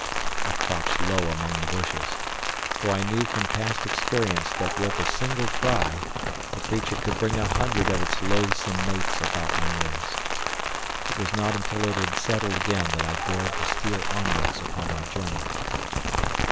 I crouched low among the bushes, for I knew from past experience that with a single cry the creature could bring a hundred of its loathsome mates about my ears. It was not until it had settled again that I dared to steal onwards upon my journey.